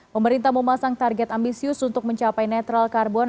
pemerintah memasang target ambisius untuk mencapai netral karbon